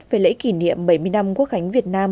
về lễ kỷ niệm bảy mươi năm quốc khánh việt nam